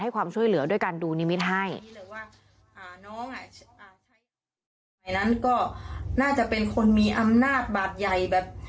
ก็เป็นคนมีอำนาจบาดใหญ่แบบ